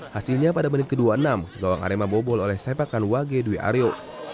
hasilnya pada menit ke dua puluh enam gawang arema bobol oleh sepakan wage dwi aryo